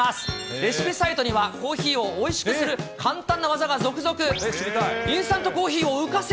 レシピサイトにはコーヒーをおいしくする簡単な技が続々。